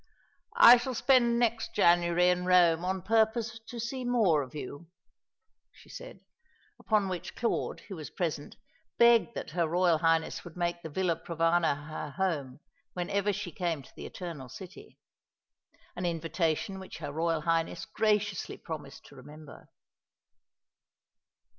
"I shall spend next January in Rome on purpose to see more of you," she said, upon which Claude, who was present, begged that her Royal Highness would make the Villa Provana her home whenever she came to the Eternal City; an invitation which her Royal Highness graciously promised to remember.